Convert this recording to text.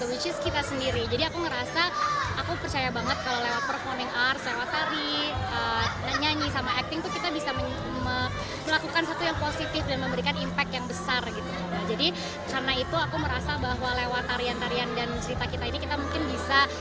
tarian tarian dan cerita kita ini kita mungkin bisa sama sama mengajak semuanya untuk lebih aware akan isu ini